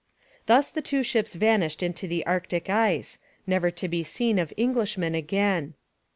Thus the two ships vanished into the Arctic ice, never to be seen of Englishmen again.